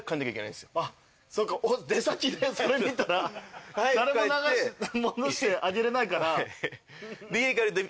そうか出先でそれ見たら誰も戻してあげれないから。